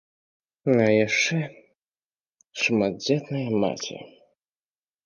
А я яшчэ шматдзетная маці.